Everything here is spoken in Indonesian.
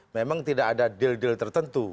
memang tidak ada deal deal tertentu